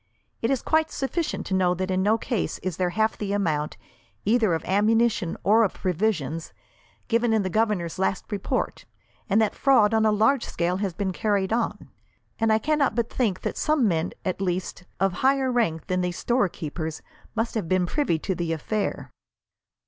It is quite sufficient to know that in no case is there half the amount, either of ammunition or of provisions, given in the governor's last report, and that fraud on a large scale has been carried on; and I cannot but think that some men, at least, of higher rank than these storekeepers must have been privy to the affair."